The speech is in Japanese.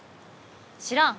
知らん。